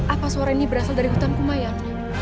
apa suara ini berasal dari hutan kumayan